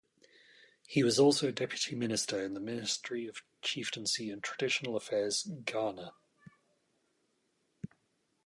He was also Deputy Minister in the Ministry of Chieftaincy and Traditional Affairs Ghana.